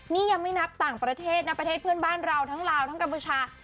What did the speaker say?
นี่ยังไม่นับต่างประเทศนะประเทศเพื่อนบ้านเราทั้งลาวทั้งกัมพูชา